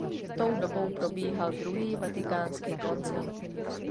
Tou dobou probíhal Druhý vatikánský koncil.